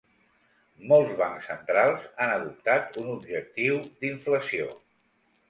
Molts bancs centrals han adoptat un objectiu d'inflació.